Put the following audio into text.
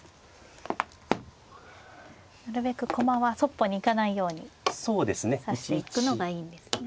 なるべく駒はそっぽに行かないように指していくのがいいんですね。